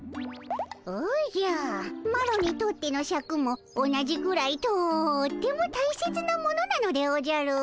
おじゃあマロにとってのシャクも同じぐらいとっても大切なものなのでおじゃる。